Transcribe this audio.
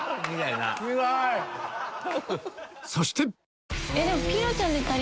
そして！